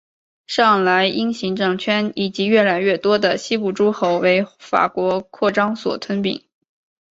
上莱茵行政圈以及越来越多的西部诸侯为法国扩张所吞并。